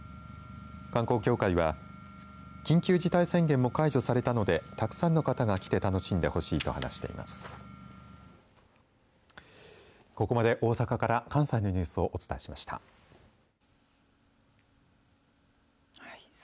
観光協会は緊急事態宣言も解除されたのでたくさんの方が来て楽しんでほしいと話しています。